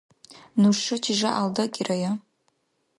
Нушачи жягӀял дакӀирая.